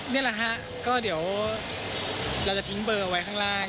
นี่แหละฮะก็เดี๋ยวเราจะทิ้งเบอร์ไว้ข้างล่าง